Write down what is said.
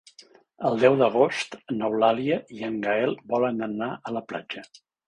El deu d'agost n'Eulàlia i en Gaël volen anar a la platja.